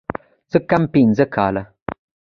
څه کم پينځه کاله.